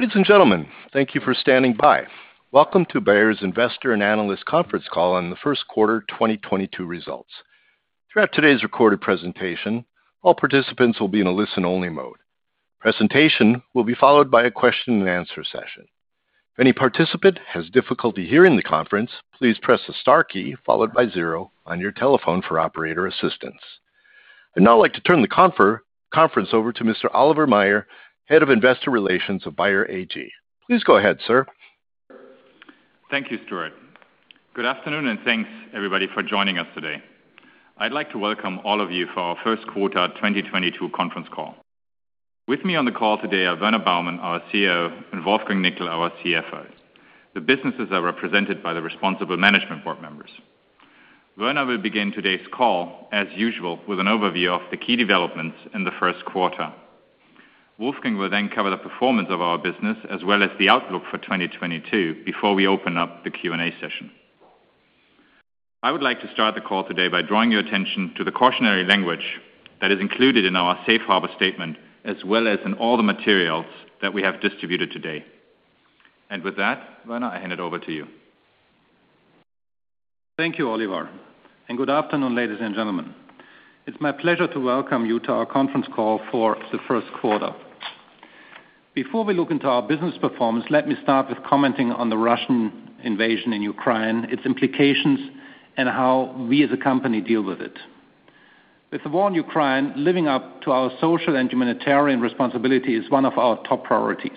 Ladies and gentlemen, thank you for standing by. Welcome to Bayer's Investor and Analyst Conference Call on the Q1 2022 Results. Throughout today's recorded presentation, all participants will be in a listen-only mode. Presentation will be followed by a question and answer session. If any participant has difficulty hearing the conference, please press the star key followed by zero on your telephone for operator assistance. I'd now like to turn the conference over to Mr. Oliver Maier, Head of Investor Relations of Bayer AG. Please go ahead, sir. Thank you, Stuart. Good afternoon, and thanks everybody for joining us today. I'd like to welcome all of you for our Q1 2022 conference call. With me on the call today are Werner Baumann, our CEO, and Wolfgang Nickl, our CFO. The businesses are represented by the responsible management board members. Werner will begin today's call, as usual, with an overview of the key developments in the Q1. Wolfgang will then cover the performance of our business as well as the outlook for 2022 before we open up the Q&A session. I would like to start the call today by drawing your attention to the cautionary language that is included in our safe harbor statement, as well as in all the materials that we have distributed today. With that, Werner, I hand it over to you. Thank you, Oliver, and good afternoon, ladies and gentlemen. It's my pleasure to welcome you to our conference call for the Q1. Before we look into our business performance, let me start with commenting on the Russian invasion in Ukraine, its implications, and how we as a company deal with it. With the war in Ukraine, living up to our social and humanitarian responsibility is one of our top priorities.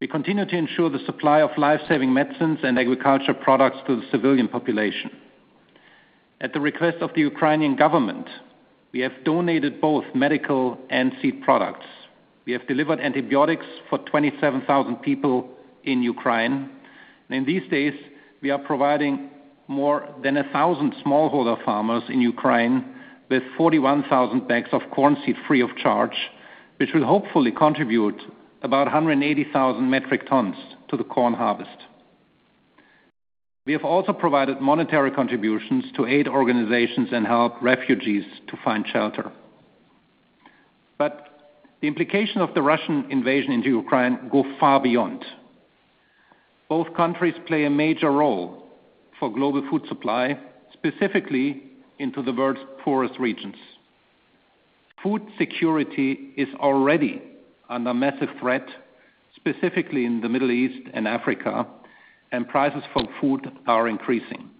We continue to ensure the supply of life-saving medicines and agricultural products to the civilian population. At the request of the Ukrainian government, we have donated both medical and seed products. We have delivered antibiotics for 27,000 people in Ukraine. These days, we are providing more than 1,000 smallholder farmers in Ukraine with 41,000 bags of corn seed free of charge, which will hopefully contribute about 180,000 metric tons to the corn harvest. We have also provided monetary contributions to aid organizations and help refugees to find shelter. The implication of the Russian invasion into Ukraine go far beyond. Both countries play a major role for global food supply, specifically into the world's poorest regions. Food security is already under massive threat, specifically in the Middle East and Africa, and prices for food are increasing.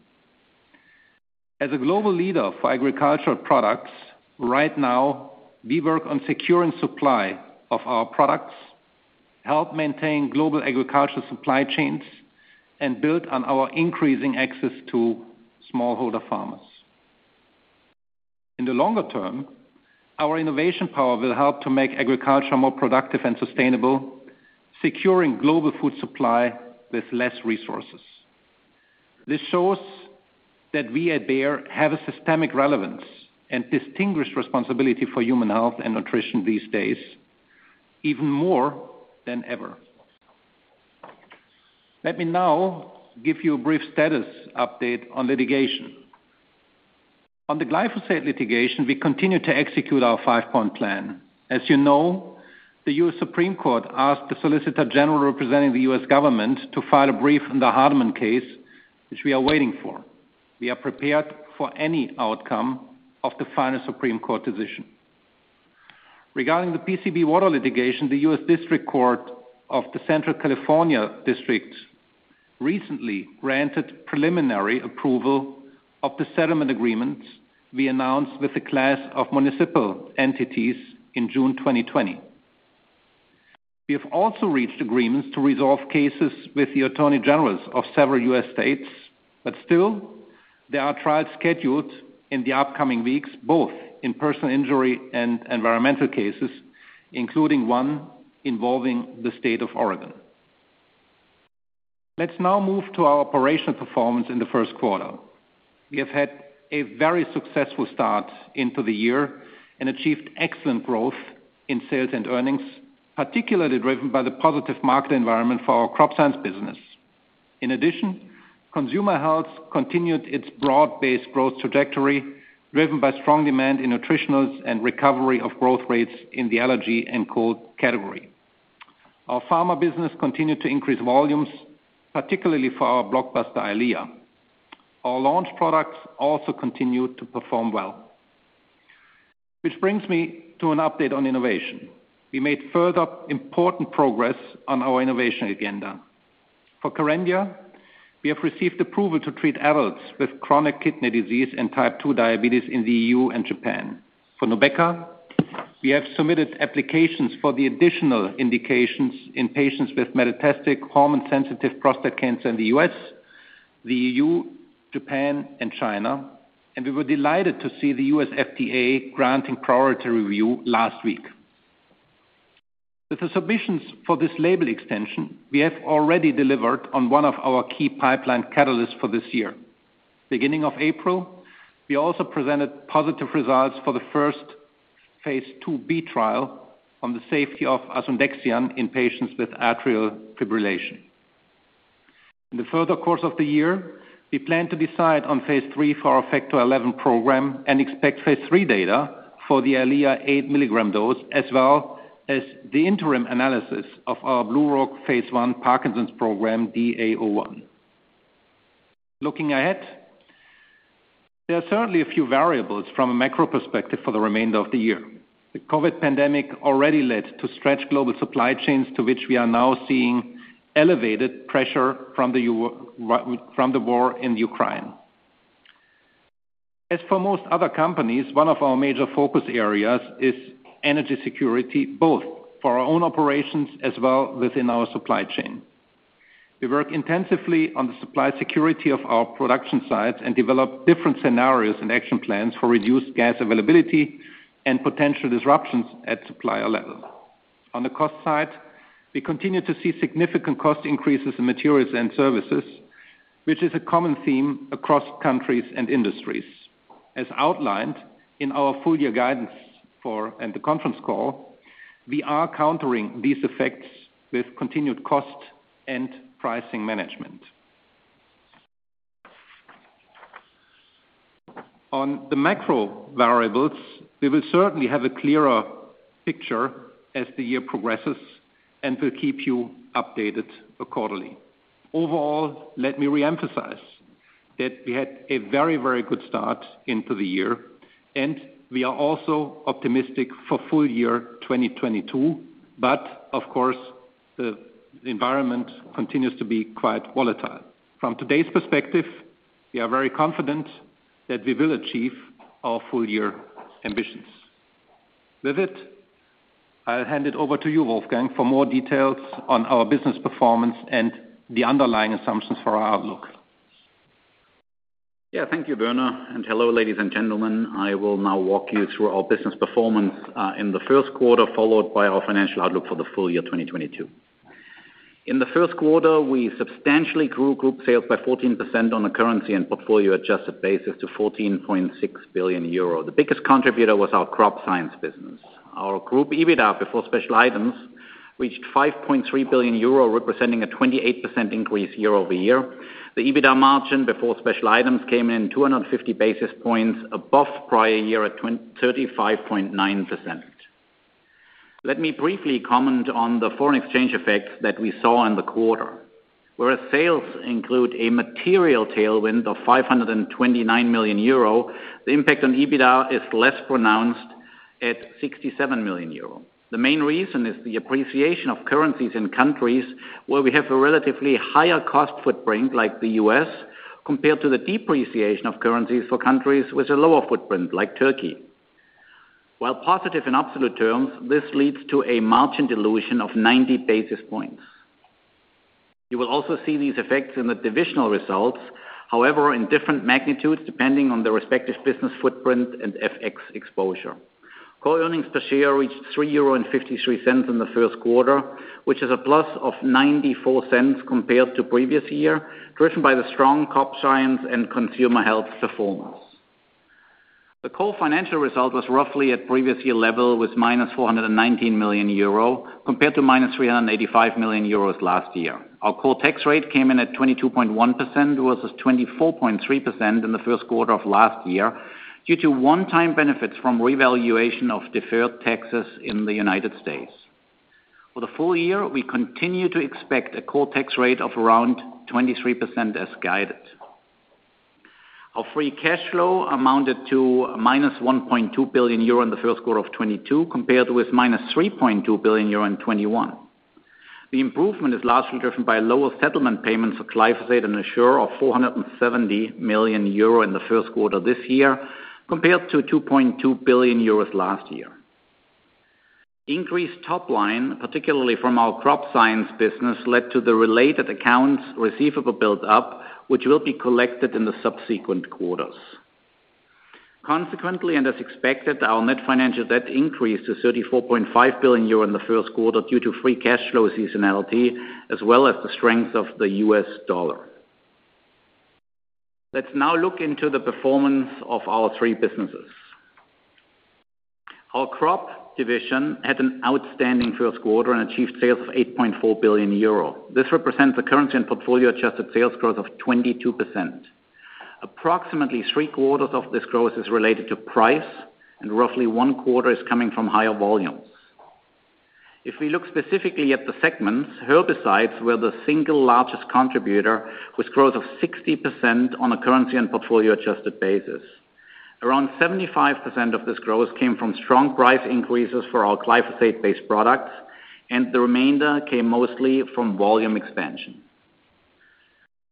As a global leader for agricultural products, right now, we work on securing supply of our products, help maintain global agricultural supply chains, and build on our increasing access to smallholder farmers. In the longer term, our innovation power will help to make agriculture more productive and sustainable, securing global food supply with less resources. This shows that we at Bayer have a systemic relevance and distinguished responsibility for human health and nutrition these days, even more than ever. Let me now give you a brief status update on litigation. On the glyphosate litigation, we continue to execute our five-point plan. As you know, the U.S. Supreme Court asked the Solicitor General representing the U.S. government to file a brief in the Hardeman case, which we are waiting for. We are prepared for any outcome of the final Supreme Court decision. Regarding the PCB water litigation, the U.S. District Court for the Central District of California recently granted preliminary approval of the settlement agreements we announced with the class of municipal entities in June 2020. We have also reached agreements to resolve cases with the attorneys general of several U.S. states, but still, there are trials scheduled in the upcoming weeks, both in personal injury and environmental cases, including one involving the state of Oregon. Let's now move to our operational performance in the Q1. We have had a very successful start into the year and achieved excellent growth in sales and earnings, particularly driven by the positive market environment for our Crop Science business. In addition, Consumer Health continued its broad-based growth trajectory, driven by strong demand in nutritionals and recovery of growth rates in the allergy and cold category. Our Pharmaceuticals business continued to increase volumes, particularly for our blockbuster Eylea. Our launch products also continued to perform well. Which brings me to an update on innovation. We made further important progress on our innovation agenda. For Kerendia, we have received approval to treat adults with chronic kidney disease and type 2 diabetes in the EU and Japan. For NUBEQA, we have submitted applications for the additional indications in patients with metastatic hormone-sensitive prostate cancer in the U.S., the EU, Japan, and China, and we were delighted to see the U.S. FDA granting priority review last week. With the submissions for this label extension, we have already delivered on one of our key pipeline catalysts for this year. Beginning of April, we also presented positive results for the first phase IIb trial on the safety of Asundexian in patients with atrial fibrillation. In the further course of the year, we plan to decide on phase III for our Factor XI program and expect phase III data for the Eylea 8 mg dose, as well as the interim analysis of our BlueRock phase I Parkinson's program, BRT-DA01. Looking ahead, there are certainly a few variables from a macro perspective for the remainder of the year. The COVID pandemic already led to stretched global supply chains, to which we are now seeing elevated pressure from the war in Ukraine. As for most other companies, one of our major focus areas is energy security, both for our own operations as well within our supply chain. We work intensively on the supply security of our production sites and develop different scenarios and action plans for reduced gas availability and potential disruptions at supplier level. On the cost side, we continue to see significant cost increases in materials and services, which is a common theme across countries and industries. As outlined in our full year guidance and the conference call, we are countering these effects with continued cost and pricing management. On the macro variables, we will certainly have a clearer picture as the year progresses, and we'll keep you updated accordingly. Overall, let me re-emphasize that we had a very, very good start into the year, and we are also optimistic for full year 2022. Of course, the environment continues to be quite volatile. From today's perspective, we are very confident that we will achieve our full year ambitions. With it, I'll hand it over to you, Wolfgang, for more details on our business performance and the underlying assumptions for our outlook. Yeah. Thank you, Werner. Hello, ladies and gentlemen. I will now walk you through our business performance in the Q1, followed by our financial outlook for the full year 2022. In the Q1, we substantially grew group sales by 14% on a currency and portfolio adjusted basis to 14.6 billion euro. The biggest contributor was our Crop Science business. Our group EBITDA before special items reached 5.3 billion euro, representing a 28% increase year-over-year. The EBITDA margin before special items came in 250 basis points above prior year at 35.9%. Let me briefly comment on the foreign exchange effects that we saw in the quarter. Whereas sales include a material tailwind of 529 million euro, the impact on EBITDA is less pronounced at 67 million euro. The main reason is the appreciation of currencies in countries where we have a relatively higher cost footprint, like the U.S., compared to the depreciation of currencies for countries with a lower footprint like Turkey. While positive in absolute terms, this leads to a margin dilution of 90 basis points. You will also see these effects in the divisional results, however, in different magnitudes, depending on the respective business footprint and FX exposure. Core earnings per share reached 3.53 euro in the Q1, which is a plus of 0.94 compared to previous year, driven by the strong Crop Science and Consumer Health performance. The core financial result was roughly at previous year level, with −419 million euro compared to −385 million euros last year. Our core tax rate came in at 22.1%, versus 24.3% in the Q1 of last year, due to one-time benefits from revaluation of deferred taxes in the United States. For the full year, we continue to expect a core tax rate of around 23% as guided. Our free cash flow amounted to -1.2 billion euro in the Q1 of 2022, compared with -3.2 billion euro in 2021. The improvement is largely driven by lower settlement payments for glyphosate and Assure of 470 million euro in the Q1 this year, compared to 2.2 billion euros last year. Increased top line, particularly from our Crop Science business, led to the related accounts receivable build up, which will be collected in the subsequent quarters. Consequently, and as expected, our net financial debt increased to 34.5 billion euro in the Q1 due to free cash flow seasonality as well as the strength of the US dollar. Let's now look into the performance of our three businesses. Our crop division had an outstanding Q1 and achieved sales of 8.4 billion euro. This represents a currency and portfolio adjusted sales growth of 22%. Approximately three quarters of this growth is related to price and roughly one quarter is coming from higher volumes. If we look specifically at the segments, herbicides were the single largest contributor, with growth of 60% on a currency and portfolio adjusted basis. Around 75% of this growth came from strong price increases for our glyphosate-based products, and the remainder came mostly from volume expansion.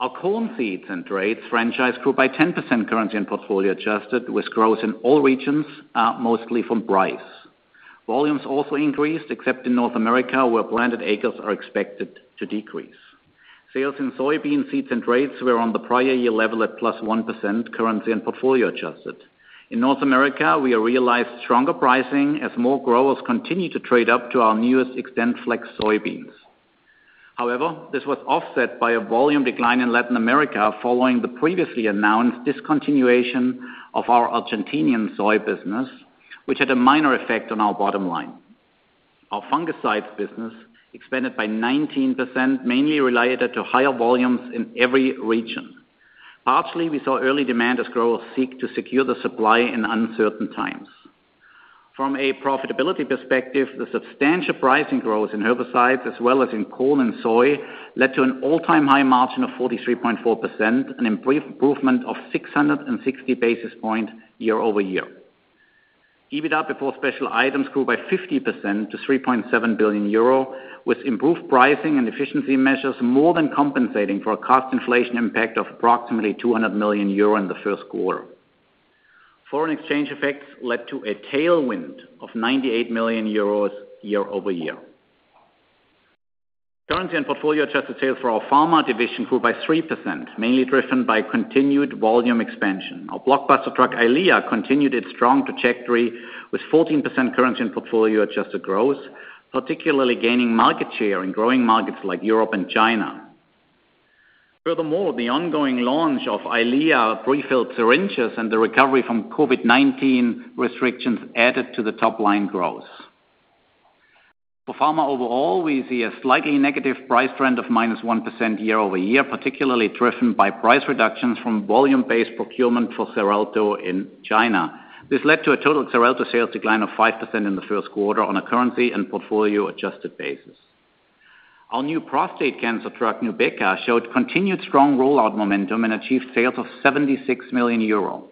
Our corn seeds and traits franchise grew by 10% currency and portfolio adjusted, with growth in all regions, mostly from price. Volumes also increased, except in North America, where planted acres are expected to decrease. Sales in soybean seeds and traits were on the prior year level at +1% currency and portfolio adjusted. In North America, we realized stronger pricing as more growers continue to trade up to our newest XtendFlex soybeans. However, this was offset by a volume decline in Latin America following the previously announced discontinuation of our Argentine soy business, which had a minor effect on our bottom line. Our fungicides business expanded by 19%, mainly related to higher volumes in every region. Particularly, we saw early demand as growers seek to secure the supply in uncertain times. From a profitability perspective, the substantial pricing growth in herbicides as well as in corn and soy led to an all-time high margin of 43.4%, an improvement of 660 basis points year-over-year. EBITDA before special items grew by 50% to 3.7 billion euro, with improved pricing and efficiency measures more than compensating for a cost inflation impact of approximately 200 million euro in the Q1. Foreign exchange effects led to a tailwind of 98 million euros year-over-year. Currency and portfolio adjusted sales for our pharma division grew by 3%, mainly driven by continued volume expansion. Our blockbuster drug Eylea continued its strong trajectory with 14% currency and portfolio adjusted growth, particularly gaining market share in growing markets like Europe and China. Furthermore, the ongoing launch of Eylea pre-filled syringes and the recovery from COVID-19 restrictions added to the top line growth. For pharma overall, we see a slightly negative price trend of -1% year-over-year, particularly driven by price reductions from volume-based procurement for Xarelto in China. This led to a total Xarelto sales decline of 5% in the Q1 on a currency and portfolio adjusted basis. Our new prostate cancer drug, NUBEQA, showed continued strong rollout momentum and achieved sales of 76 million euro.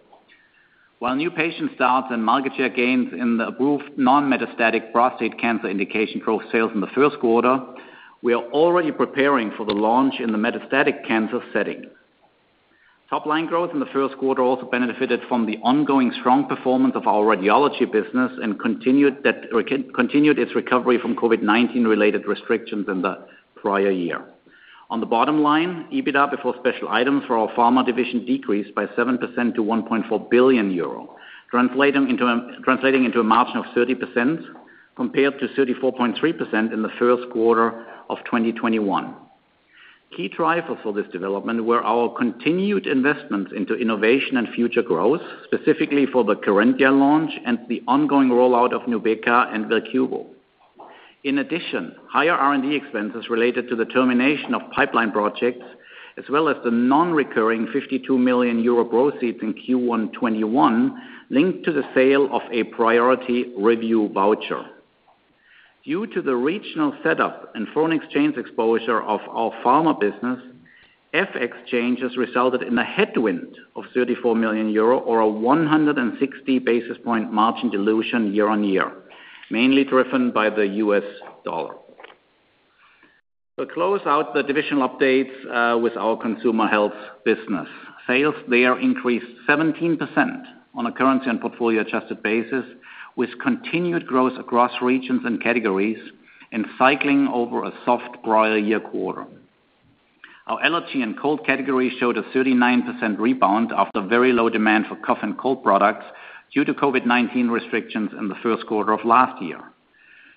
While new patient starts and market share gains in the approved non-metastatic prostate cancer indication drove sales in the Q1, we are already preparing for the launch in the metastatic cancer setting. Top line growth in the Q1 also benefited from the ongoing strong performance of our radiology business and continued its recovery from COVID-19 related restrictions in the prior year. On the bottom line, EBITDA before special items for our pharma division decreased by 7% to 1.4 billion euro, translating into a margin of 30% compared to 34.3% in the Q1 of 2021. Key driver for this development were our continued investments into innovation and future growth, specifically for the Kerendia launch and the ongoing rollout of NUBEQA and Verquvo. In addition, higher R&D expenses related to the termination of pipeline projects, as well as the non-recurring 52 million euro proceeds in Q1 2021 linked to the sale of a priority review voucher. Due to the regional setup and foreign exchange exposure of our pharma business, FX changes resulted in a headwind of 34 million euro or a 160 basis point margin dilution year-on-year, mainly driven by the US dollar. We close out the divisional updates with our consumer health business. Sales there increased 17% on a currency and portfolio adjusted basis, with continued growth across regions and categories and cycling over a soft prior year quarter. Our allergy and cold category showed a 39% rebound after very low demand for cough and cold products due to COVID-19 restrictions in the Q1 of last year.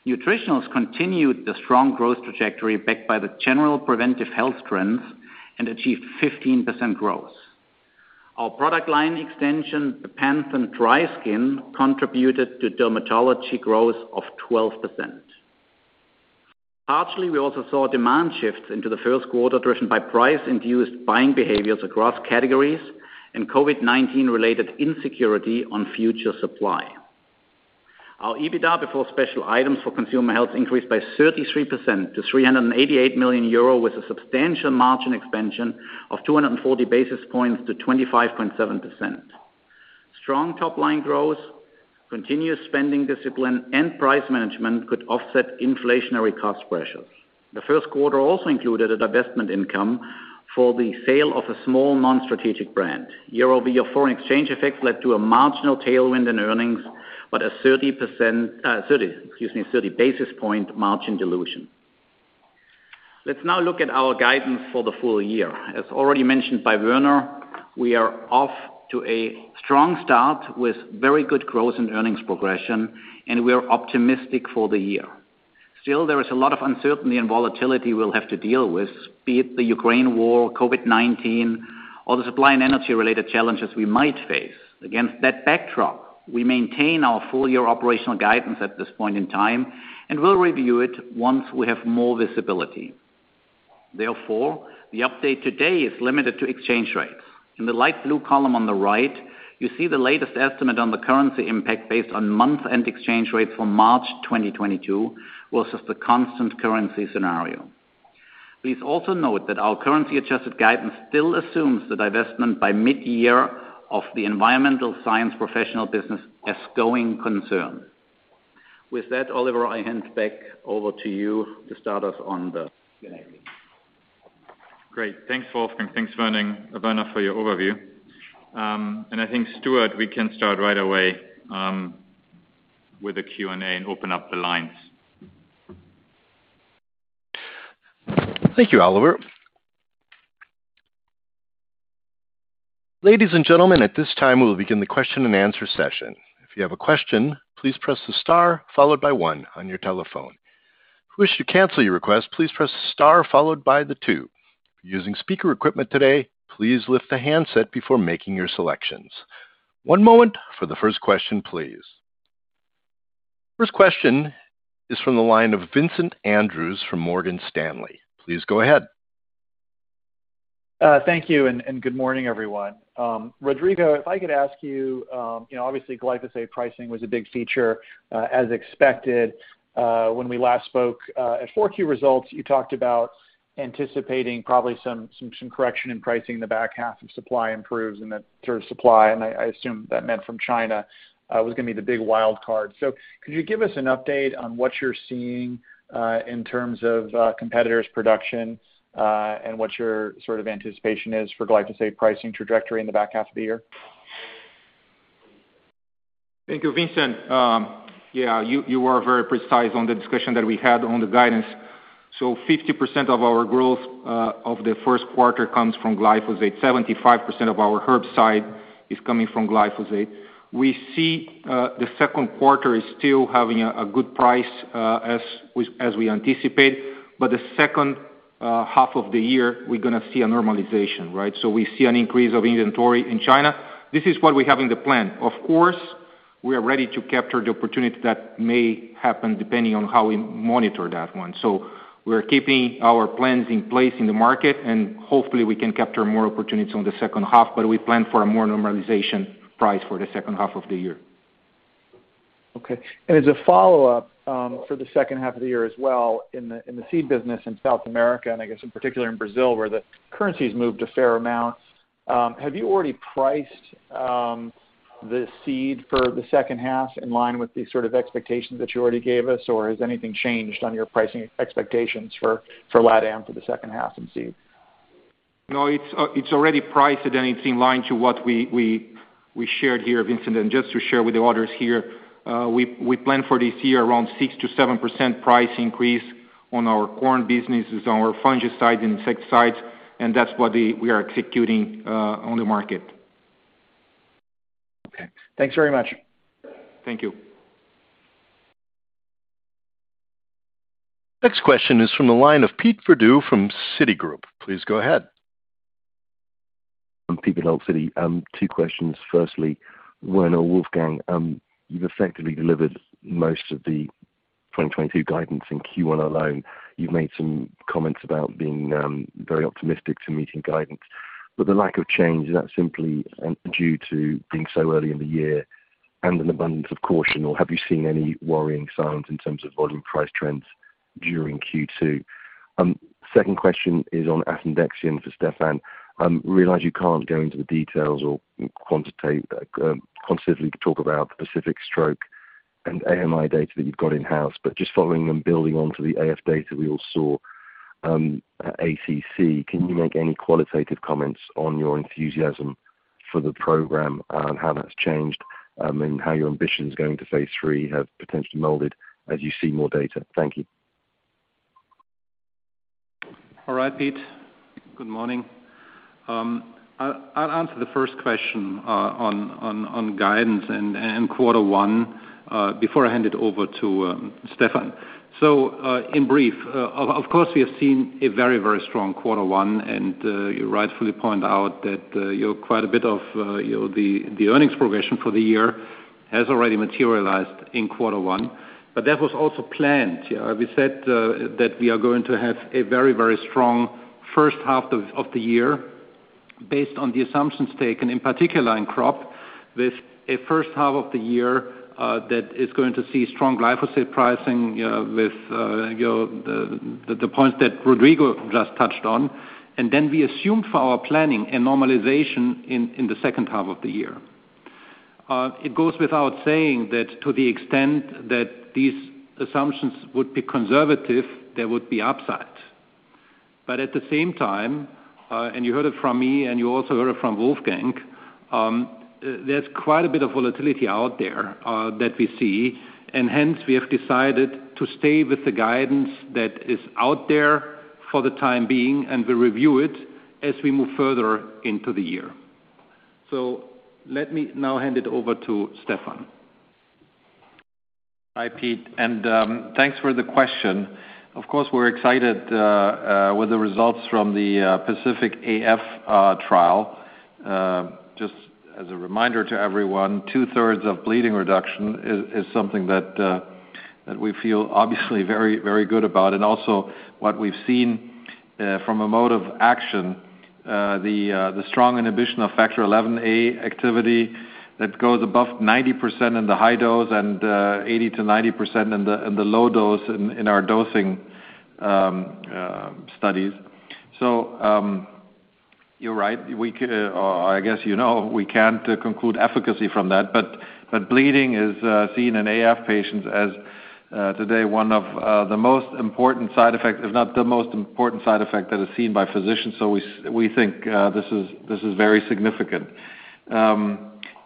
Nutritionals continued the strong growth trajectory backed by the general preventive health trends and achieved 15% growth. Our product line extension, the Bepanthen Dry Skin, contributed to dermatology growth of 12%. Partially, we also saw demand shifts into the Q1 driven by price-induced buying behaviors across categories and COVID-19 related insecurity on future supply. Our EBITDA before special items for Consumer Health increased by 33% to 388 million euro, with a substantial margin expansion of 240 basis points to 25.7%. Strong top line growth, continuous spending discipline, and price management could offset inflationary cost pressures. The Q1 also included a divestment income for the sale of a small non-strategic brand. Year-over-year foreign exchange effects led to a marginal tailwind in earnings, but a 30 basis point margin dilution. Let's now look at our guidance for the full year. As already mentioned by Werner, we are off to a strong start with very good growth and earnings progression, and we are optimistic for the year. Still, there is a lot of uncertainty and volatility we'll have to deal with, be it the Ukraine war, COVID-19, or the supply and energy-related challenges we might face. Against that backdrop, we maintain our full year operational guidance at this point in time, and we'll review it once we have more visibility. Therefore, the update today is limited to exchange rates. In the light blue column on the right, you see the latest estimate on the currency impact based on month-end exchange rates from March 2022 versus the constant currency scenario. Please also note that our currency adjusted guidance still assumes the divestment by mid-year of the environmental science professional business as going concern. With that, Oliver, I hand back over to you to start us on the Q&A. Great. Thanks, Wolfgang. Thanks, Werner for your overview. I think Stuart, we can start right away with the Q&A and open up the lines. Thank you, Oliver. Ladies and gentlemen, at this time, we'll begin the question and answer session. If you have a question, please press the star followed by one on your telephone. If you wish to cancel your request, please press star followed by the two. If you're using speaker equipment today, please lift the handset before making your selections. One moment for the first question, please. First question is from the line of Vincent Andrews from Morgan Stanley. Please go ahead. Thank you and good morning, everyone. Rodrigo, if I could ask you know, obviously, glyphosate pricing was a big feature, as expected, when we last spoke. At Q4 results, you talked about anticipating probably some correction in pricing in the back half as supply improves and the sort of supply from China was gonna be the big wild card. Could you give us an update on what you're seeing in terms of competitors' production, and what your sort of anticipation is for glyphosate pricing trajectory in the back half of the year? Thank you, Vincent. Yeah, you are very precise on the discussion that we had on the guidance. 50% of our growth of the Q1comes from glyphosate. 75% of our herbicide is coming from glyphosate. We see the Q2 is still having a good price as we anticipate, but the second half of the year, we're gonna see a normalization, right? We see an increase of inventory in China. This is what we have in the plan. Of course, we are ready to capture the opportunity that may happen depending on how we monitor that one. We're keeping our plans in place in the market, and hopefully, we can capture more opportunities on the second half, but we plan for a more normalization price for the second half of the year. Okay. As a follow-up, for the second half of the year as well in the seed business in South America, and I guess in particular in Brazil, where the currency's moved a fair amount, have you already priced the seed for the second half in line with the sort of expectations that you already gave us, or has anything changed on your pricing expectations for Lat Am for the second half in seed? No, it's already priced and it's in line to what we shared here, Vincent. Just to share with the others here, we plan for this year around 6%-7% price increase on our corn businesses, on our fungicides, insecticides, and that's what we are executing on the market. Okay. Thanks very much. Thank you. Next question is from the line of Pete Verdult from Citigroup. Please go ahead. Pete with Citigroup. Two questions. Firstly, Werner, Wolfgang, you've effectively delivered most of the 2022 guidance in Q1 alone. You've made some comments about being very optimistic to meeting guidance. The lack of change, is that simply due to being so early in the year and an abundance of caution, or have you seen any worrying signs in terms of volume price trends during Q2? Second question is on asundexian for Stefan. Realize you can't go into the details or quantitate quantitatively talk about the PACIFIC-Stroke and PACIFIC-AMI data that you've got in-house, but just following and building on to the AF data we all saw at ACC, can you make any qualitative comments on your enthusiasm for the program and how that's changed, and how your ambitions going to phase III have potentially molded as you see more data? Thank you. All right, Pete. Good morning. I'll answer the first question on guidance and Q1 before I hand it over to Stefan. In brief, of course, we have seen a very, very strong Q1, and you rightfully point out that, you know, quite a bit of, you know, the earnings progression for the year has already materialized in Q1. That was also planned. Yeah, we said that we are going to have a very, very strong first half of the year based on the assumptions taken, in particular in crop, with a first half of the year that is going to see strong glyphosate pricing, with, you know, the points that Rodrigo just touched on. We assumed for our planning a normalization in the second half of the year. It goes without saying that to the extent that these assumptions would be conservative, there would be upside. At the same time, you heard it from me and you also heard it from Wolfgang, there's quite a bit of volatility out there that we see. Hence, we have decided to stay with the guidance that is out there for the time being, and we'll review it as we move further into the year. Let me now hand it over to Stefan. Hi, Pete. Thanks for the question. Of course, we're excited with the results from the PACIFIC-AF trial. Just as a reminder to everyone, two-thirds of bleeding reduction is something that we feel obviously very, very good about. Also what we've seen from a mode of action, the strong inhibition of factor XIa activity that goes above 90% in the high dose and 80%-90% in the low dose in our dosing studies. You're right. Or I guess you know, we can't conclude efficacy from that. Bleeding is seen in AF patients as today one of the most important side effect, if not the most important side effect that is seen by physicians. We think this is very significant.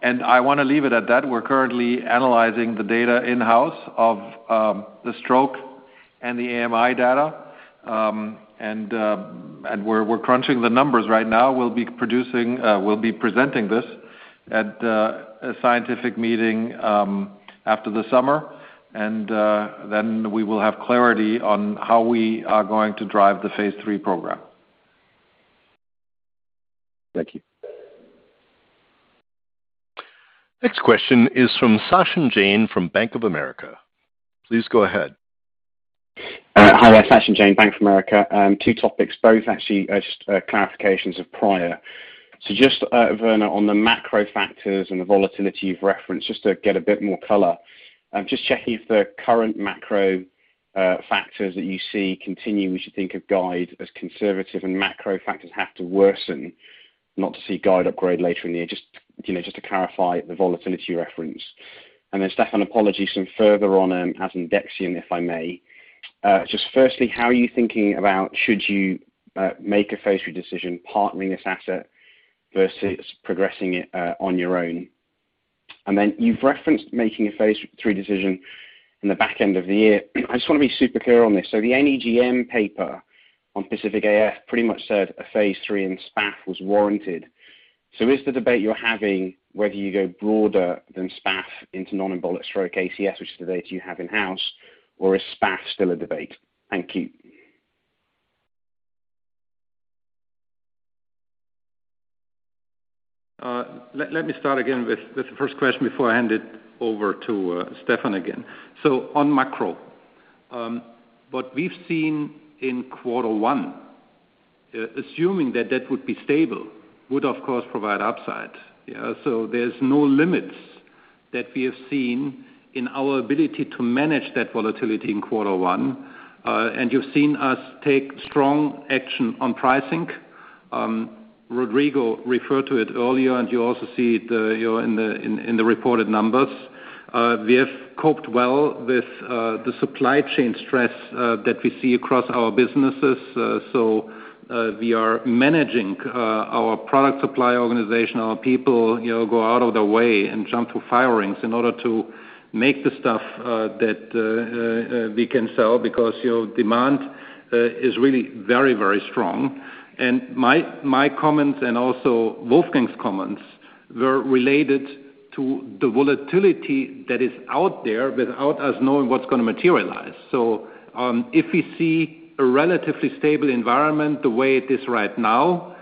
I wanna leave it at that. We're currently analyzing the data in-house of the stroke and the AMI data. We're crunching the numbers right now. We'll be presenting this At a scientific meeting after the summer, and then we will have clarity on how we are going to drive the phase III program. Thank you. Next question is from Sachin Jain from Bank of America. Please go ahead. Hi there, Sachin Jain, Bank of America. Two topics, both actually just clarifications of prior. Werner, on the macro factors and the volatility you've referenced, just to get a bit more color, I'm just checking if the current macro factors that you see continue, we should think of guide as conservative and macro factors have to worsen not to see guide upgrade later in the year. Just, you know, just to clarify the volatility reference. Then Stefan, apologies for some further on asundexian, if I may. Just firstly, how are you thinking about should you make a phase III decision partnering this asset versus progressing it on your own? Then you've referenced making a phase III decision in the back end of the year. I just want to be super clear on this. The NEJM paper on PACIFIC-AF pretty much said a phase III in SPAF was warranted. Is the debate you're having whether you go broader than SPAF into non-embolic stroke ACS, which is the data you have in-house, or is SPAF still a debate? Thank you. Let me start again with the first question before I hand it over to Stefan again. On macro, what we've seen in Q1, assuming that would be stable would, of course, provide upside. Yeah, there's no limits that we have seen in our ability to manage that volatility in Q1. You've seen us take strong action on pricing. Rodrigo referred to it earlier, and you also see it, you know, in the reported numbers. We have coped well with the supply chain stress that we see across our businesses. We are managing our product supply organization. Our people, you know, go out of their way and jump through fire rings in order to make the stuff that we can sell because, you know, demand is really very, very strong. My comments and also Wolfgang's comments were related to the volatility that is out there without us knowing what's going to materialize. If we see a relatively stable environment the way it is right now,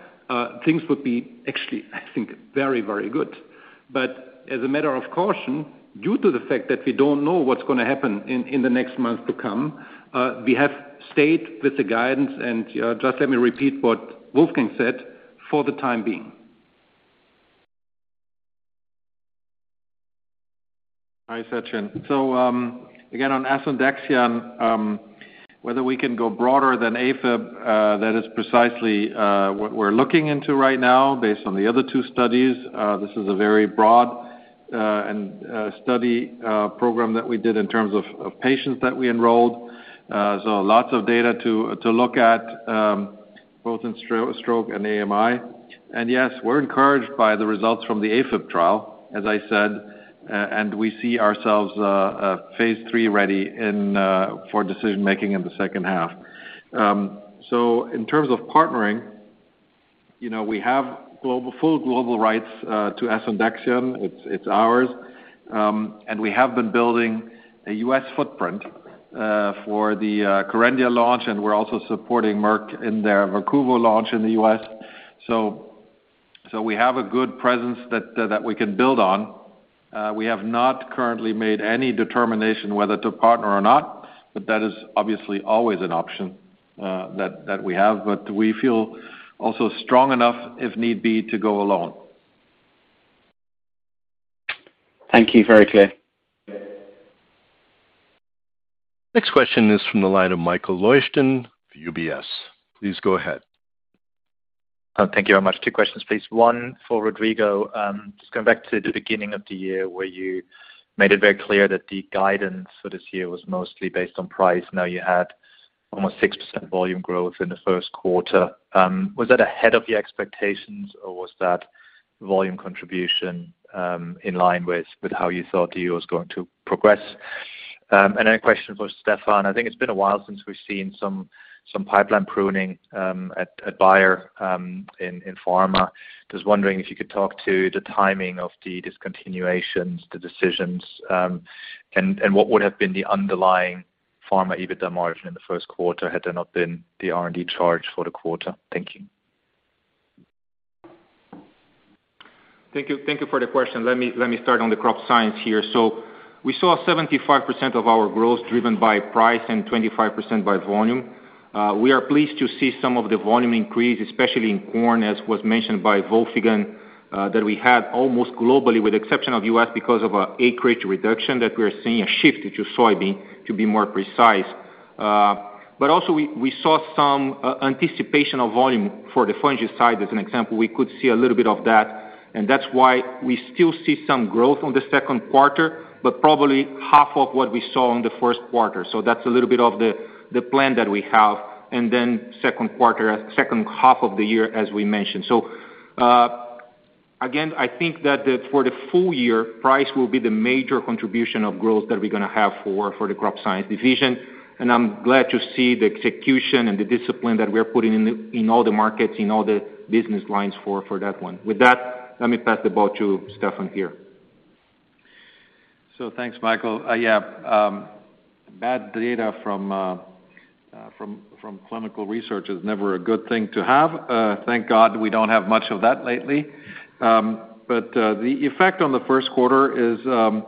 things would be actually, I think, very, very good. As a matter of caution, due to the fact that we don't know what's going to happen in the next month to come, we have stayed with the guidance, and just let me repeat what Wolfgang said, for the time being. Hi, Sachin. Again, on asundexian, whether we can go broader than AFib, that is precisely what we're looking into right now based on the other two studies. This is a very broad study program that we did in terms of patients that we enrolled. Lots of data to look at both in stroke and PACIFIC-AMI. Yes, we're encouraged by the results from the AFib trial, as I said, and we see ourselves phase III ready for decision-making in the second half. In terms of partnering, you know, we have full global rights to asundexian. It's ours. We have been building a U.S. footprint for the Verquvo launch, and we're also supporting Merck in their Verquvo launch in the U.S. We have a good presence that we can build on. We have not currently made any determination whether to partner or not, but that is obviously always an option, that we have. We feel also strong enough, if need be, to go alone. Thank you. Very clear. Next question is from the line of Michael Leuchten of UBS. Please go ahead. Thank you very much. Two questions, please. One for Rodrigo. Just going back to the beginning of the year where you made it very clear that the guidance for this year was mostly based on price. Now you had almost 6% volume growth in the Q1. Was that ahead of your expectations, or was that volume contribution in line with how you thought the year was going to progress? A question for Stefan. I think it's been a while since we've seen some pipeline pruning at Bayer in pharma. Just wondering if you could talk to the timing of the discontinuations, the decisions, and what would have been the underlying pharma EBITDA margin in the Q1 had there not been the R&D charge for the quarter. Thank you. Thank you. Thank you for the question. Let me start on the Crop Science here. We saw 75% of our growth driven by price and 25% by volume. We are pleased to see some of the volume increase, especially in corn, as was mentioned by Wolfgang, that we had almost globally, with exception of US because of an acreage reduction, that we are seeing a shift to soybean, to be more precise. Also we saw some anticipation of volume for the fungicide, as an example. We could see a little bit of that, and that's why we still see some growth on the Q2, but probably half of what we saw in the Q1. That's a little bit of the plan that we have, and then Q2, second half of the year as we mentioned. I think for the full year, price will be the major contribution of growth that we're gonna have for the Crop Science division. I'm glad to see the execution and the discipline that we're putting in all the markets, in all the business lines for that one. With that, let me pass the ball to Stefan here. Thanks, Michael. Bad data from clinical research is never a good thing to have. Thank God we don't have much of that lately. The effect on the Q1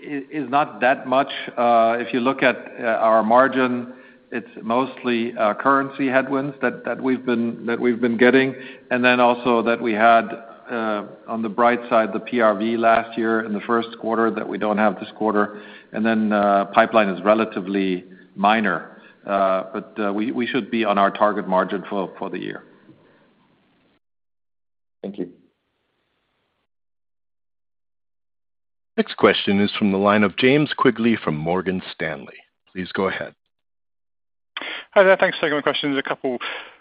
is not that much. If you look at our margin, it's mostly currency headwinds that we've been getting. Also that we had, on the bright side, the PRV last year in the Q1 that we don't have this quarter. Pipeline is relatively minor. We should be on our target margin for the year. Thank you. Next question is from the line of James Quigley from Morgan Stanley. Please go ahead. Hi there. Thanks for taking my questions. A couple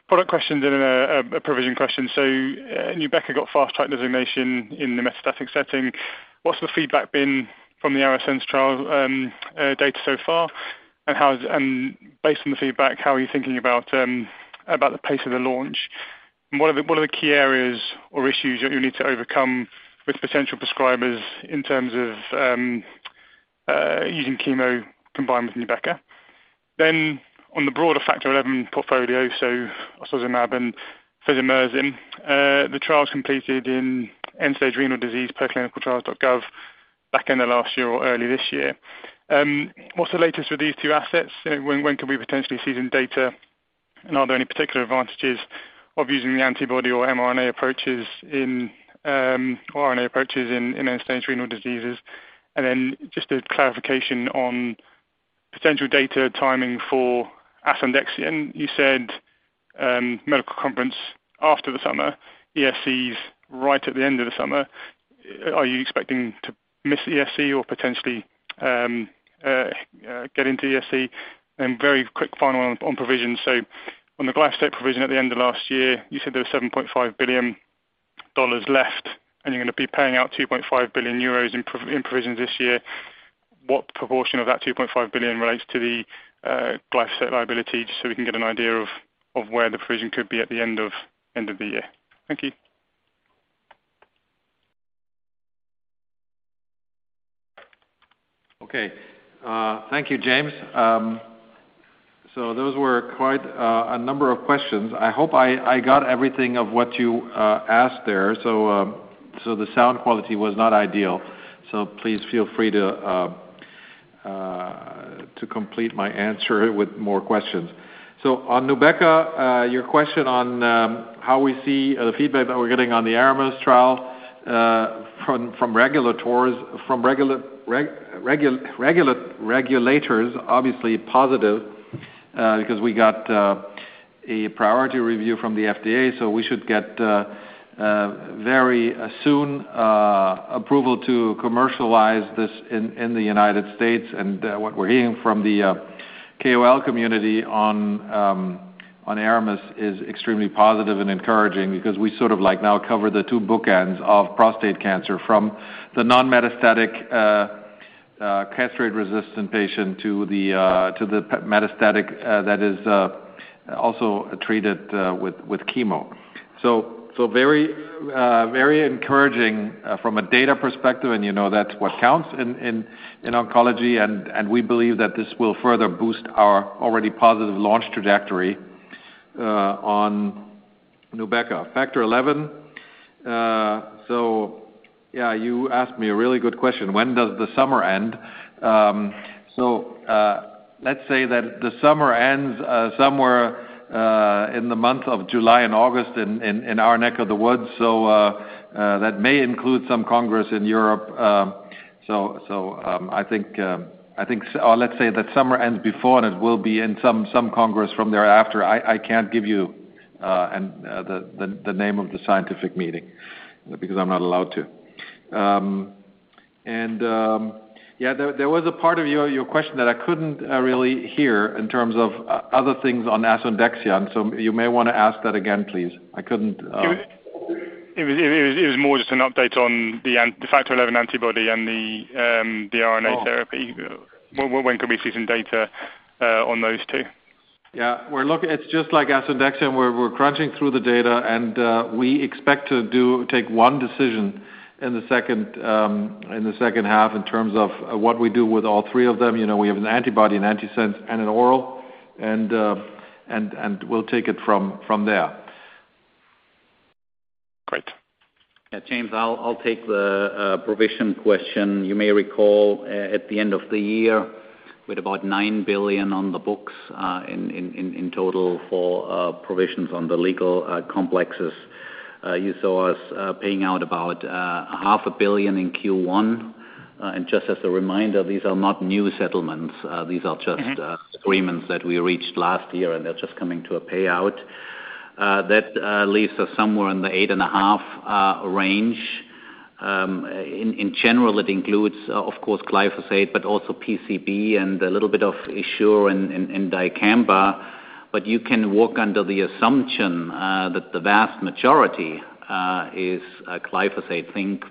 product questions and a provision question. NUBEQA got fast track designation in the metastatic setting. What's the feedback been from the ARASENS trial data so far? And based on the feedback, how are you thinking about the pace of the launch? And what are the key areas or issues that you need to overcome with potential prescribers in terms of using chemo combined with NUBEQA? On the broader Factor XI portfolio, Osozumab and Fisomersen, the trials completed in end-stage renal disease per clinicaltrials.gov back in the last year or early this year. What's the latest with these two assets? You know, when could we potentially see some data? Are there any particular advantages of using the antibody or mRNA approaches in, or RNA approaches in end-stage renal diseases? Just a clarification on potential data timing for asundexian. You said, medical conference after the summer, ESC is right at the end of the summer. Are you expecting to miss ESC or potentially get into ESC? Very quick final one on provisions. On the glyphosate provision at the end of last year, you said there was $7.5 billion left, and you're gonna be paying out 2.5 billion euros in provisions this year. What proportion of that 2.5 billion relates to the glyphosate liability, just so we can get an idea of where the provision could be at the end of the year? Thank you. Okay. Thank you, James. So those were quite a number of questions. I hope I got everything of what you asked there. The sound quality was not ideal. Please feel free to complete my answer with more questions. On NUBEQA, your question on how we see the feedback that we're getting on the ARAMIS trial from regulators, obviously positive, because we got a priority review from the FDA. We should get very soon approval to commercialize this in the United States. What we're hearing from the KOL community on ARAMIS is extremely positive and encouraging because we sort of like now cover the two bookends of prostate cancer from the non-metastatic castrate-resistant patient to the metastatic that is also treated with chemo. Very encouraging from a data perspective, and you know that's what counts in oncology. We believe that this will further boost our already positive launch trajectory on NUBEQA. Factor XI. You asked me a really good question. When does the summer end? Let's say that the summer ends somewhere in the month of July and August in our neck of the woods. That may include some congress in Europe. I think or let's say that summer ends before, and it will be in some congress from thereafter. I can't give you the name of the scientific meeting because I'm not allowed to. Yeah, there was a part of your question that I couldn't really hear in terms of other things on asundexian. You may wanna ask that again, please. I couldn't. It was more just an update on the Factor XI antibody and the RNA therapy. Oh. When could we see some data on those two? Yeah. It's just like asundexian. We're crunching through the data, and we expect to take one decision in the second half in terms of what we do with all three of them. You know, we have an antibody, an antisense, and an oral, and we'll take it from there. Great. Yeah. James, I'll take the provision question. You may recall at the end of the year with about 9 billion on the books in total for provisions on the legal cases. You saw us paying out about half a billion EUR in Q1. Just as a reminder, these are not new settlements. These are just. Okay agreements that we reached last year, and they're just coming to a payout. That leaves us somewhere in the 8.5 range. In general, it includes, of course, glyphosate, but also PCB and a little bit of Essure and dicamba. But you can work under the assumption that the vast majority is glyphosate. Think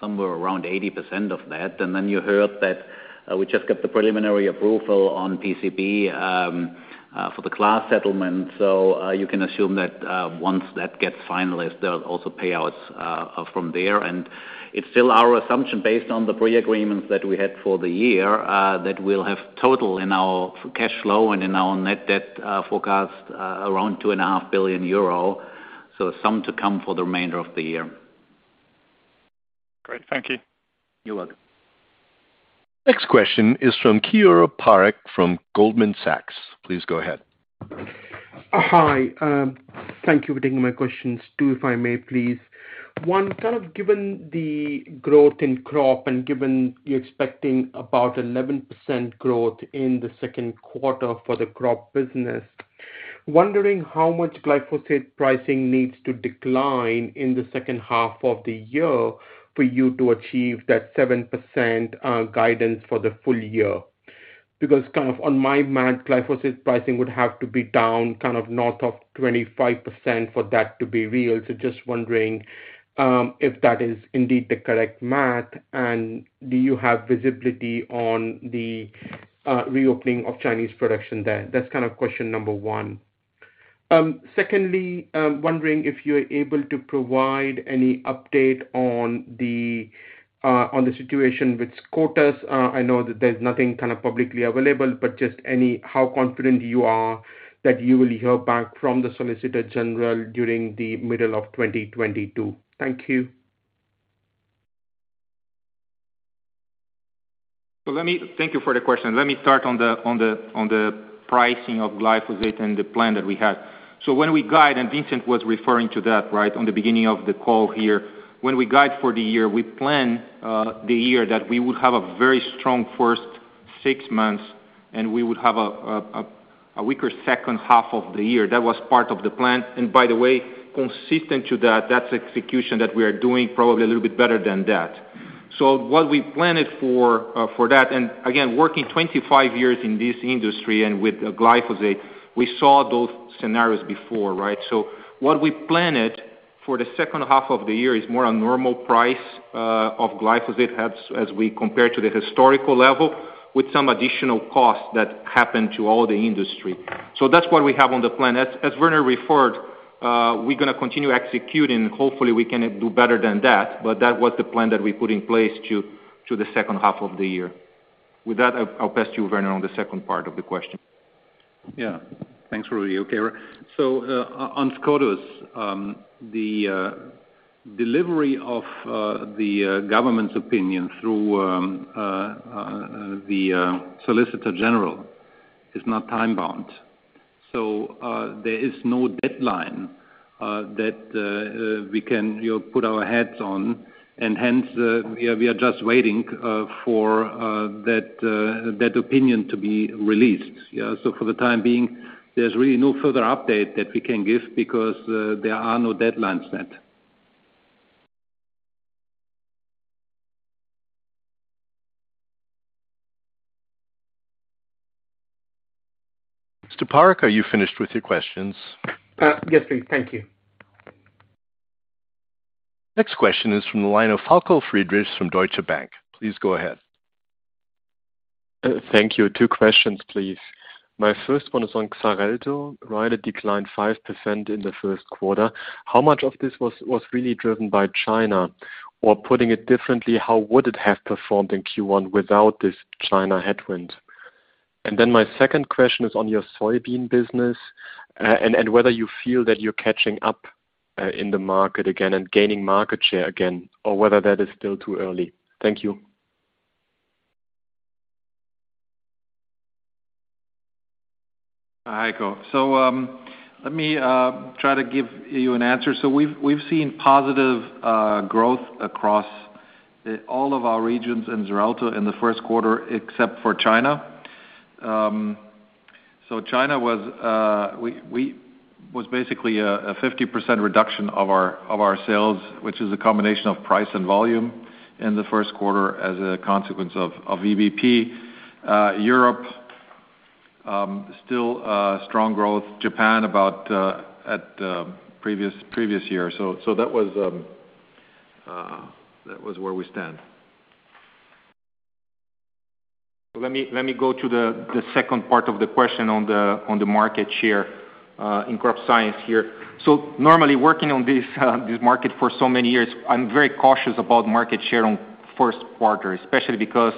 somewhere around 80% of that. You heard that We just got the preliminary approval on PCB for the class settlement. You can assume that once that gets finalized, there are also payouts from there. It's still our assumption based on the pre-agreements that we had for the year that we'll have total in our cash flow and in our net debt forecast around 2.5 billion euro. Some to come for the remainder of the year. Great. Thank you. You're welcome. Next question is from Keyur Parekh from Goldman Sachs. Please go ahead. Hi. Thank you for taking my questions, two, if I may please. One, kind of given the growth in crop and given you're expecting about 11% growth in the Q2 for the crop business, wondering how much glyphosate pricing needs to decline in the second half of the year for you to achieve that 7%, guidance for the full year? Because kind of on my math, glyphosate pricing would have to be down kind of north of 25% for that to be real. So just wondering, if that is indeed the correct math, and do you have visibility on the, reopening of Chinese production there? That's kind of question number one. Secondly, wondering if you're able to provide any update on the, on the situation with SCOTUS. I know that there's nothing kind of publicly available, but just how confident you are that you will hear back from the Solicitor General during the middle of 2022. Thank you. Thank you for the question. Let me start on the pricing of glyphosate and the plan that we have. When we guide, and Vincent was referring to that, right, at the beginning of the call here. When we guide for the year, we plan the year that we would have a very strong first six months, and we would have a weaker second half of the year. That was part of the plan. By the way, consistent with that's execution that we are doing probably a little bit better than that. What we planned for that, and again, working 25 years in this industry and with glyphosate, we saw those scenarios before, right? What we planned for the second half of the year is more a normal price of glyphosate as we compare to the historical level with some additional costs that happened to all the industry. That's what we have on the plan. As Werner referred, we're gonna continue executing. Hopefully, we can do better than that, but that was the plan that we put in place to the second half of the year. With that, I'll pass to you, Werner, on the second part of the question. Yeah. Thanks, Rudy. Okay. On SCOTUS, the delivery of the government's opinion through the Solicitor General is not time-bound. There is no deadline that we can, you know, put our heads on, and hence, we are just waiting for that opinion to be released. Yeah, for the time being, there's really no further update that we can give because there are no deadlines set. Mr. Parekh, are you finished with your questions? Yes, please. Thank you. Next question is from the line of Falko Friedrichs from Deutsche Bank. Please go ahead. Thank you. Two questions, please. My first one is on Xarelto, right? It declined 5% in the Q1. How much of this was really driven by China? Or putting it differently, how would it have performed in Q1 without this China headwind? My second question is on your soybean business, and whether you feel that you're catching up in the market again and gaining market share again, or whether that is still too early. Thank you. Hi, Falko. Let me try to give you an answer. We've seen positive growth across all of our regions in Xarelto in the Q1, except for China. China was basically a 50% reduction of our sales, which is a combination of price and volume in the Q1 as a consequence of VBP. Europe still strong growth. Japan about at previous year. That was where we stand. Let me go to the second part of the question on the market share in Crop Science here. Normally, working on this market for so many years, I'm very cautious about market share on Q1, especially because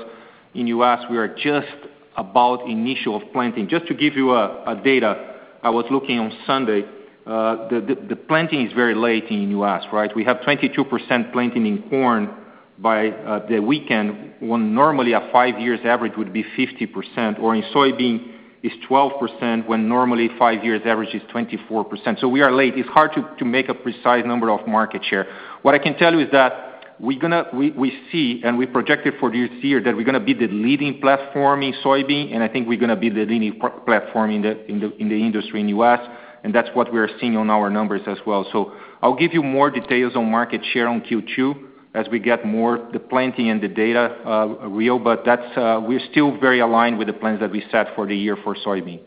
in U.S., we are just about initial planting. Just to give you a data, I was looking on Sunday. The planting is very late in U.S., right? We have 22% planting in corn by the weekend, when normally a five-year average would be 50%, or in soybean is 12%, when normally five-year average is 24%. We are late. It's hard to make a precise number of market share. What I can tell you is that we see and we projected for this year that we're gonna be the leading platform in soybean, and I think we're gonna be the leading platform in the industry in U.S., and that's what we're seeing on our numbers as well. I'll give you more details on market share on Q2 as we get more the planting and the data real, but that's, we're still very aligned with the plans that we set for the year for soybean.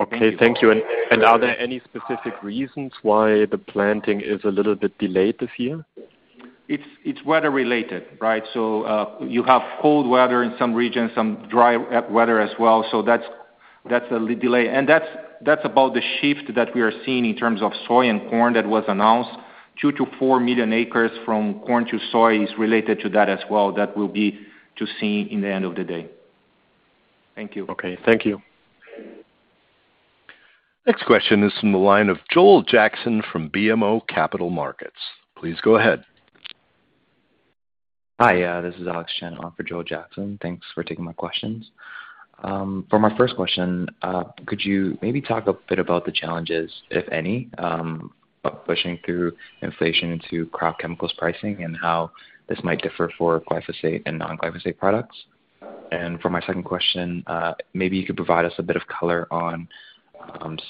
Okay, thank you. Are there any specific reasons why the planting is a little bit delayed this year? It's weather-related, right? You have cold weather in some regions, some dry weather as well. That's a little delay. That's about the shift that we are seeing in terms of soy and corn that was announced. 2-4 million acres from corn to soy is related to that as well. That remains to be seen at the end of the day. Thank you. Okay, thank you. Next question is from the line of Joel Jackson from BMO Capital Markets. Please go ahead. Hi, this is Alex Chen on for Joel Jackson. Thanks for taking my questions. For my first question, could you maybe talk a bit about the challenges, if any, of pushing through inflation into crop chemicals pricing and how this might differ for glyphosate and non-glyphosate products? For my second question, maybe you could provide us a bit of color on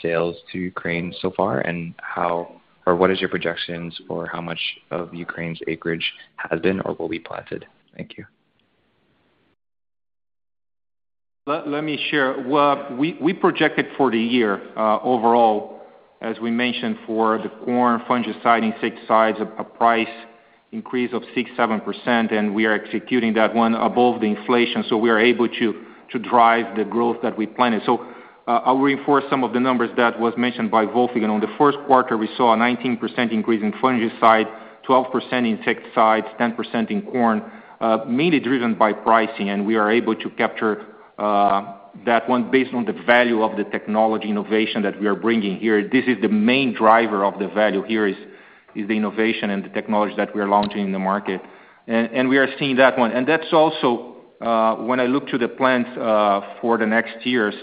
sales to Ukraine so far and how or what is your projections or how much of Ukraine's acreage has been or will be planted? Thank you. Let me share. Well, we projected for the year, overall, as we mentioned for the corn fungicide, insecticides, a price increase of 6%-7%, and we are executing that above the inflation, so we are able to drive the growth that we planned. I'll reinforce some of the numbers that was mentioned by Wolfgang. On the Q1, we saw a 19% increase in fungicide, 12% insecticides, 10% in corn, mainly driven by pricing, and we are able to capture that based on the value of the technology innovation that we are bringing here. This is the main driver of the value here, the innovation and the technology that we're launching in the market. We are seeing that. That's also, when I look to the plans, for the next years,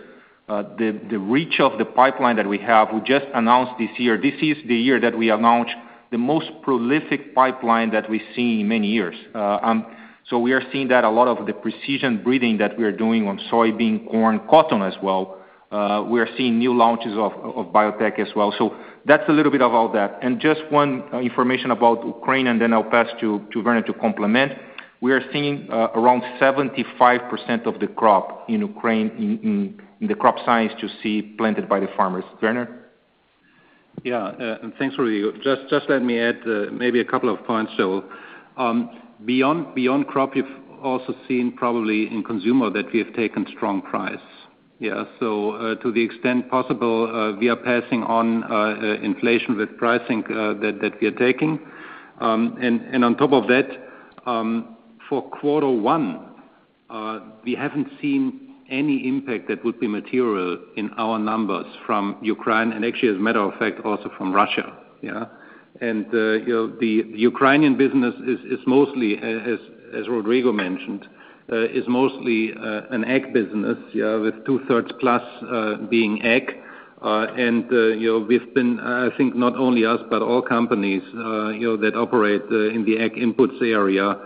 the reach of the pipeline that we have, we just announced this year. This is the year that we announced the most prolific pipeline that we've seen in many years. We are seeing that a lot of the Precision Breeding that we are doing on soybean, corn, cotton as well. We are seeing new launches of biotech as well. That's a little bit about that. Just one information about Ukraine, and then I'll pass to Werner to complement. We are seeing around 75% of the crop in Ukraine in the Crop Science to be planted by the farmers. Werner? Thanks, Rodrigo. Just let me add maybe a couple of points. Beyond crop, you've also seen probably in consumer that we have taken strong price. Yeah. To the extent possible, we are passing on inflation with pricing that we are taking. On top of that, for Q1, we haven't seen any impact that would be material in our numbers from Ukraine and actually, as a matter of fact, also from Russia. Yeah. You know, the Ukrainian business is mostly, as Rodrigo mentioned, an ag business with two-thirds plus being ag. You know, we've been, I think not only us, but all companies, you know, that operate in the ag inputs area,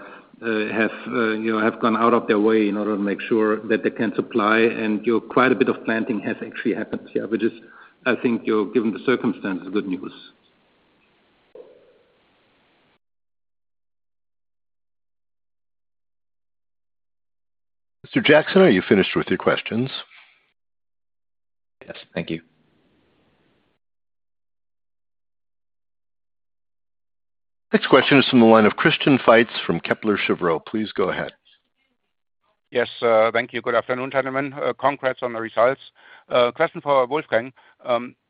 have gone out of their way in order to make sure that they can supply and do quite a bit of planting has actually happened. Yeah. Which is, I think, you know, given the circumstances, good news. Mr. Jackson, are you finished with your questions? Yes, thank you. Next question is from the line of Christian Faitz from Kepler Cheuvreux. Please go ahead. Yes, thank you. Good afternoon, gentlemen. Congrats on the results. Question for Wolfgang.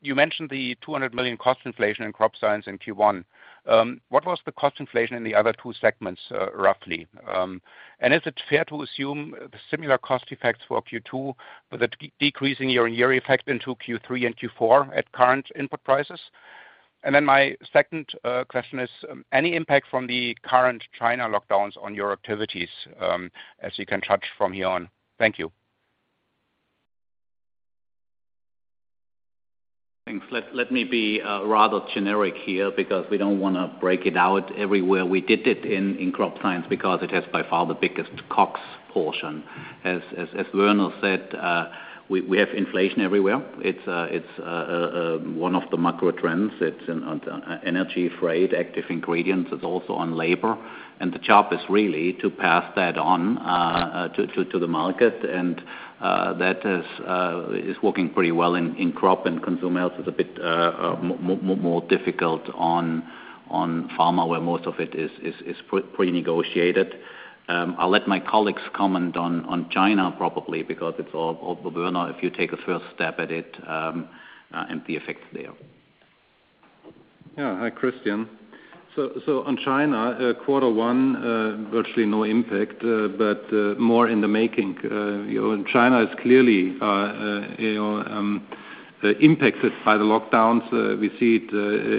You mentioned the 200 million cost inflation in Crop Science in Q1. What was the cost inflation in the other two segments, roughly? Is it fair to assume the similar cost effects for Q2 with a decreasing year-on-year effect into Q3 and Q4 at current input prices? My second question is, any impact from the current China lockdowns on your activities, as you can judge from here on? Thank you. Thanks. Let me be rather generic here because we don't wanna break it out everywhere. We did it in Crop Science because it has by far the biggest COGS portion. As Werner said, we have inflation everywhere. It's one of the macro trends. It's in energy, freight, active ingredients. It's also on labor. The job is really to pass that on to the market. That is working pretty well in Crop Science and Consumer Health. It's a bit more difficult on pharma, where most of it is pre-negotiated. I'll let my colleagues comment on China probably. Or Werner, if you take a first stab at it, and the effects there. Yeah. Hi, Christian. On China, Q1 virtually no impact, but more in the making. You know, China is clearly impacted by the lockdowns. We see it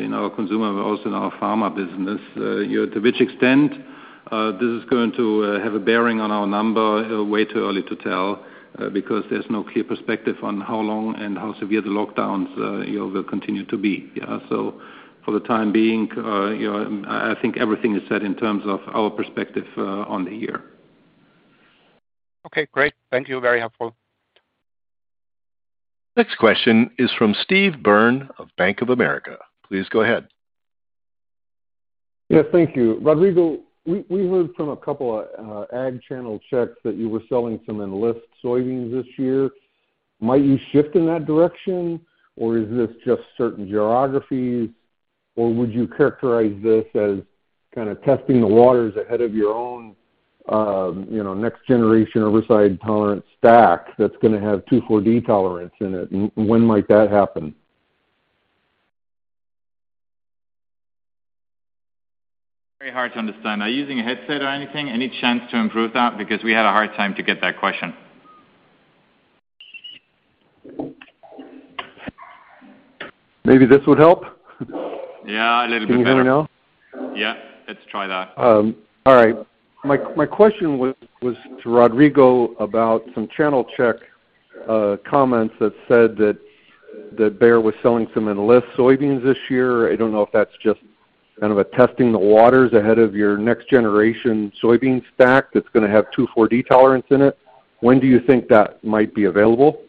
in our consumer, but also in our pharma business. You know, to which extent this is going to have a bearing on our number, way too early to tell, because there's no clear perspective on how long and how severe the lockdowns you know will continue to be. Yeah. For the time being, you know, I think everything is set in terms of our perspective on the year. Okay, great. Thank you. Very helpful. Next question is from Steve Byrne of Bank of America. Please go ahead. Yeah. Thank you. Rodrigo, we heard from a couple of ag channel checks that you were selling some Enlist soybeans this year. Might you shift in that direction, or is this just certain geographies, or would you characterize this as kind of testing the waters ahead of your own next generation herbicide tolerant stack that's gonna have 2,4-D tolerance in it? When might that happen? Very hard to understand. Are you using a headset or anything? Any chance to improve that? Because we had a hard time to get that question. Maybe this would help. Yeah, a little bit better. Can you hear me now? Yeah, let's try that. All right. My question was to Rodrigo about some channel check comments that said that Bayer was selling some Enlist soybeans this year. I don't know if that's just kind of a testing the waters ahead of your next generation soybean stack that's gonna have 2/4-D tolerance in it. When do you think that might be available?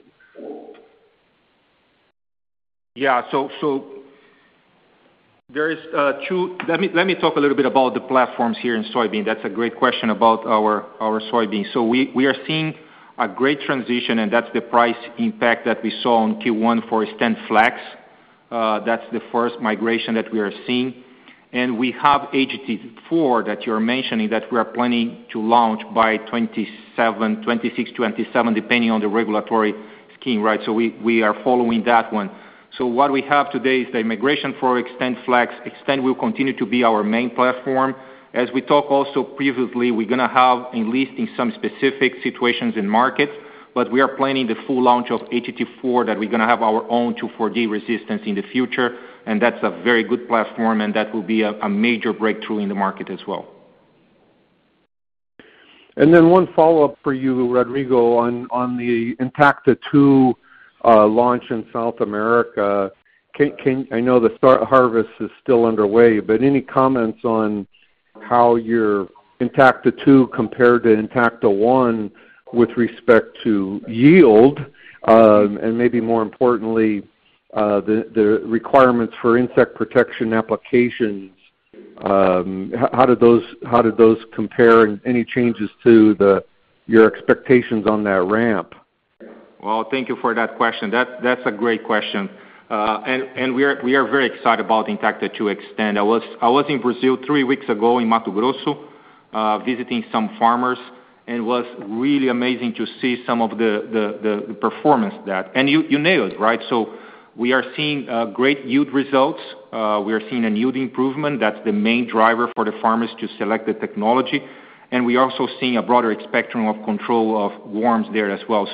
Let me talk a little bit about the platforms here in soybean. That's a great question about our soybeans. We are seeing a great transition, and that's the price impact that we saw in Q1 for XtendFlex. That's the first migration that we are seeing. We have HT4 that you're mentioning that we are planning to launch by 2027, 2026, 2027, depending on the regulatory scheme, right? We are following that one. What we have today is the migration for XtendFlex. Xtend will continue to be our main platform. As we talk also previously, we're gonna have Enlist in some specific situations in markets, but we are planning the full launch of HT4 that we're gonna have our own two, 4-D resistance in the future, and that's a very good platform, and that will be a major breakthrough in the market as well. One follow-up for you, Rodrigo, on the Intacta2 launch in South America. I know the harvest is still underway, but any comments on how your Intacta2 compared to Intacta1 with respect to yield, and maybe more importantly, the requirements for insect protection applications, how did those compare? Any changes to your expectations on that ramp? Well, thank you for that question. That's a great question. We are very excited about Intacta2 Xtend. I was in Brazil three weeks ago in Mato Grosso, visiting some farmers, and it was really amazing to see some of the performance that. You nailed it, right? We are seeing great yield results. We are seeing a yield improvement. That's the main driver for the farmers to select the technology. We're also seeing a broader spectrum of control of worms there as well.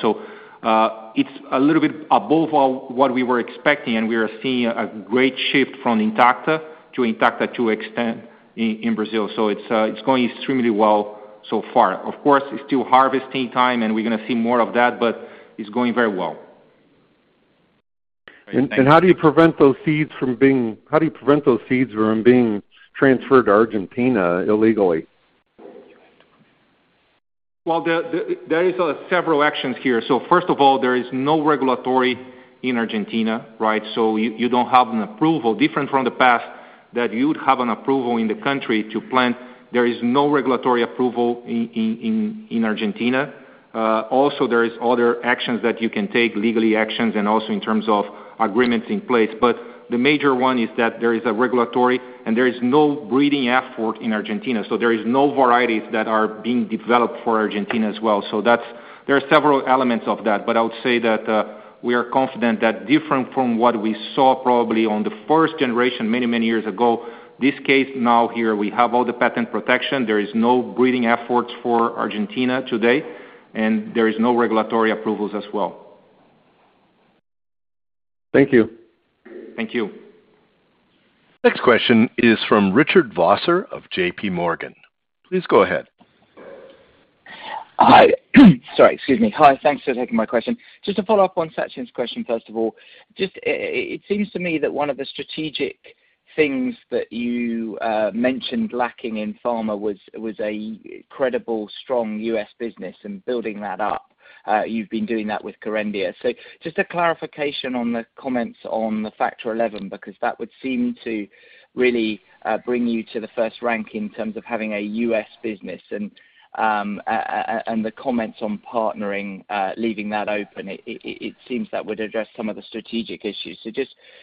It's a little bit above what we were expecting, and we are seeing a great shift from Intacta to Intacta2 Xtend in Brazil. It's going extremely well so far. Of course, it's still harvesting time, and we're gonna see more of that, but it's going very well. How do you prevent those seeds from being transferred to Argentina illegally? Well, there is several actions here. First of all, there is no regulatory in Argentina, right? You don't have an approval different from the past that you'd have an approval in the country to plant. There is no regulatory approval in Argentina. Also there is other actions that you can take, legal actions, and also in terms of agreements in place. The major one is that there is a regulatory, and there is no breeding effort in Argentina. There is no varieties that are being developed for Argentina as well. That's. There are several elements of that, but I would say that we are confident that different from what we saw probably on the first generation many years ago, this case now here we have all the patent protection. There is no breeding efforts for Argentina today, and there is no regulatory approvals as well. Thank you. Thank you. Next question is from Richard Vosser of JP Morgan. Please go ahead. Hi. Sorry, excuse me. Hi, thanks for taking my question. Just to follow up on Sachin's question, first of all. Just, it seems to me that one of the strategic things that you mentioned lacking in pharma was a credible, strong U.S. business and building that up. You've been doing that with Kerendia. Just a clarification on the comments on the Factor XI, because that would seem to really bring you to the first rank in terms of having a U.S. business and the comments on partnering leaving that open. It seems that would address some of the strategic issues.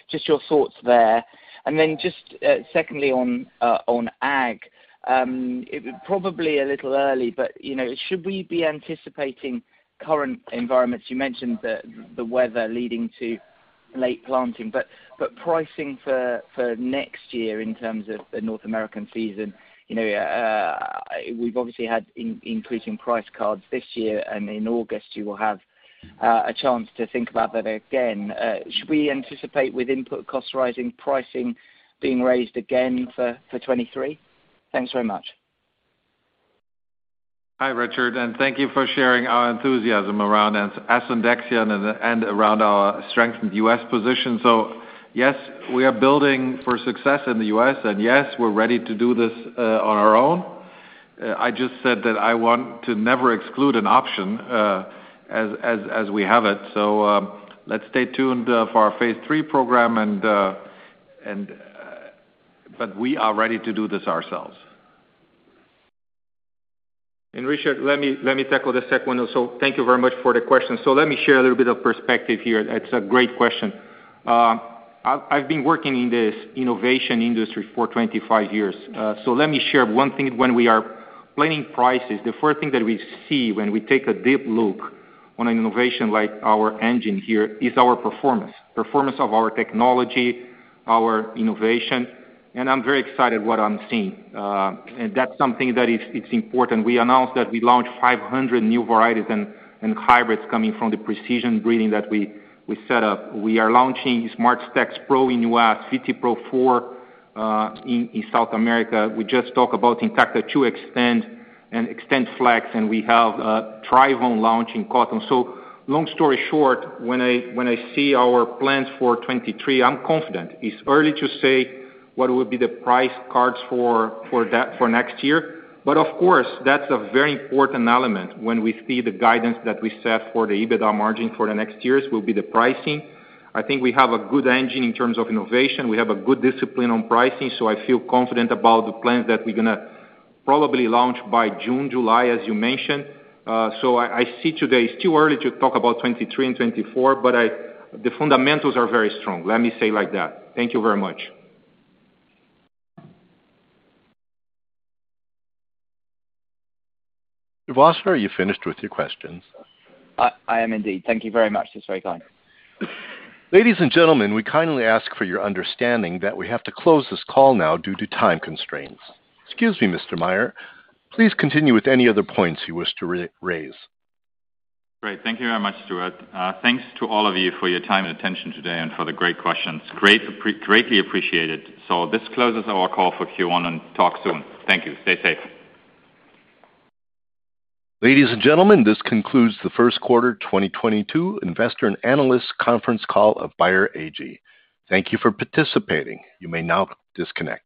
Just your thoughts there. Then just, secondly on ag. It probably a little early, but you know, should we be anticipating currency environments? You mentioned the weather leading to late planting, but pricing for next year in terms of the North American season, you know, we've obviously had increasing price cards this year and in August you will have a chance to think about that again. Should we anticipate with input costs rising, pricing being raised again for 2023? Thanks very much. Hi, Richard, and thank you for sharing our enthusiasm around asundexian and around our strength in the U.S. position. Yes, we are building for success in the U.S., and yes, we're ready to do this on our own. I just said that I want to never exclude an option as we have it. Let's stay tuned for our phase III program, but we are ready to do this ourselves. Richard, let me tackle the second one also. Thank you very much for the question. Let me share a little bit of perspective here. That's a great question. I've been working in this innovation industry for 25 years. Let me share one thing. When we are planning prices, the first thing that we see when we take a deep look on an innovation like our engine here is our performance. Performance of our technology, our innovation, and I'm very excited what I'm seeing. That's something that is important. We announced that we launched 500 new varieties and hybrids coming from the Precision Breeding that we set up. We are launching SmartStax PRO in U.S., VT Pro4 in South America. We just talk about Intacta2 Xtend and XtendFlex, and we have TriVolt launch in cotton. Long story short, when I see our plans for 2023, I'm confident. It's early to say what would be the price cards for that for next year. Of course, that's a very important element when we see the guidance that we set for the EBITDA margin for the next years will be the pricing. I think we have a good engine in terms of innovation. We have a good discipline on pricing, so I feel confident about the plans that we're gonna probably launch by June, July, as you mentioned. I see today it's too early to talk about 2023 and 2024, but the fundamentals are very strong. Let me say like that. Thank you very much. Vosser, are you finished with your questions? I am indeed. Thank you very much. That's very kind. Ladies and gentlemen, we kindly ask for your understanding that we have to close this call now due to time constraints. Excuse me, Mr. Maier. Please continue with any other points you wish to re-raise. Great. Thank you very much, Stuart. Thanks to all of you for your time and attention today and for the great questions. Greatly appreciated. This closes our call for Q1, and talk soon. Thank you. Stay safe. Ladies and gentlemen, this concludes the Q1 2022 investor and analyst conference call of Bayer AG. Thank you for participating. You may now disconnect.